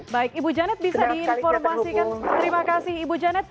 baik ibu janet bisa diinformasikan terima kasih ibu janet